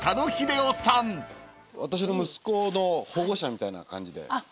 私の息子の保護者みたいな感じで。